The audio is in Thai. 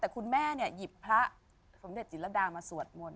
แต่คุณแม่เนี่ยหยิบพระสมเด็จจิรดามาสวดมนต